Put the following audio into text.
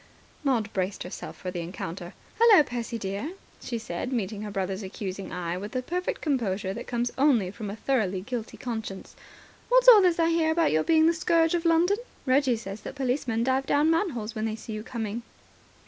Maud braced herself for the encounter. "Hullo, Percy, dear," she said, meeting her brother's accusing eye with the perfect composure that comes only from a thoroughly guilty conscience. "What's all this I hear about your being the Scourge of London? Reggie says that policemen dive down manholes when they see you coming."